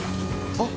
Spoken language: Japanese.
・あっ！！